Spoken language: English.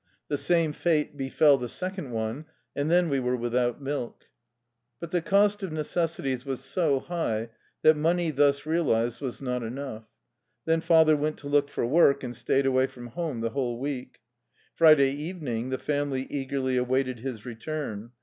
The same fate befell the second one, and then we were without milk. But the cost of necessities was so high that money thus realized was not enough. Then father went to look for work, and stayed away from home the whole week. Friday evening the family eagerly awaited his return.